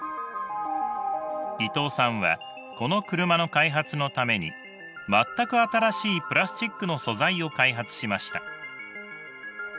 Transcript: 伊藤さんはこの車の開発のために全く新しいプラスチックの素材を開発しました。